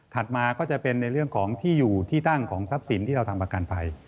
มาก็จะเป็นในเรื่องของที่อยู่ที่ตั้งของทรัพย์สินที่เราทำประกันภัย